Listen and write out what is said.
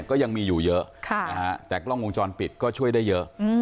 ก็ยังมีอยู่เยอะแต่กล้องวงจรปิดก็ช่วยได้เยอะ